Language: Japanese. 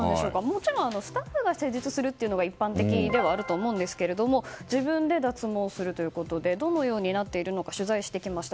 もちろんスタッフが施術するのが一般的だとは思うんですが自分で脱毛するということでどのようになっているのか取材してきました。